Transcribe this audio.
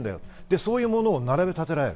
そういうものを並べ立てられる。